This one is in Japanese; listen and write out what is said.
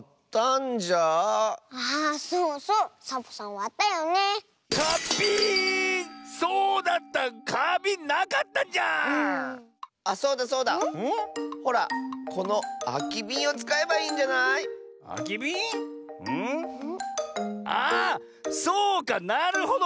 ああっそうかなるほど！